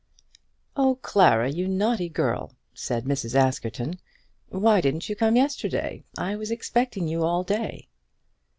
"Oh, Clara, you naughty girl," said Mrs. Askerton, "why didn't you come yesterday? I was expecting you all day."